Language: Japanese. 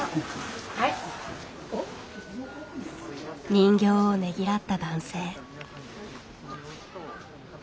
人形をねぎらった男性。